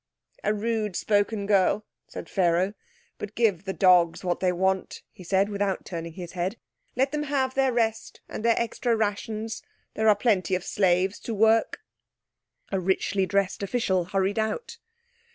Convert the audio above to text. "A rude spoken girl," said Pharaoh. "But give the dogs what they want," he said, without turning his head. "Let them have their rest and their extra rations. There are plenty of slaves to work." A richly dressed official hurried out.